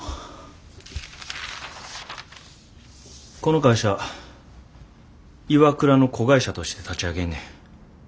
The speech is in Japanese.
この会社ＩＷＡＫＵＲＡの子会社として立ち上げんねん。